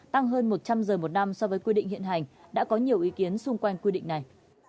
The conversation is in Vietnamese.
tăng hơn một trăm linh giờ một năm so với quy định hiện hành đã có nhiều ý kiến xung quanh quy định này